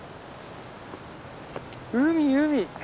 海海。